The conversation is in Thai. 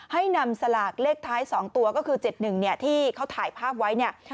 ให้นำสลากเลขท้าย๒ตัวก็คือ๗๑ที่เขาถ่ายภาพไว้เนี่ย